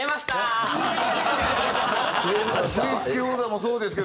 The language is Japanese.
振付オーダーもそうですけど。